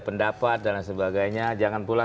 pendapat dan lain sebagainya jangan pula